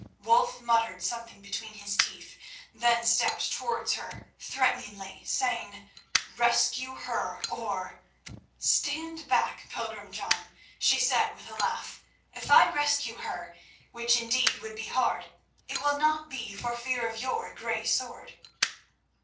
Wulf muttered something between his teeth, then stepped towards her threateningly, saying: "Rescue her, or—" "Stand back, pilgrim John," she said, with a laugh. "If I rescue her, which indeed would be hard, it will not be for fear of your great sword."